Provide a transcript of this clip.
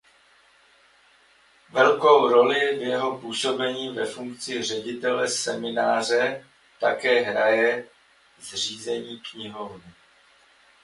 Velkou roli v jeho působení ve funkci ředitele semináře také hraje zřízení knihovny.